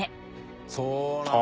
そうなんだ。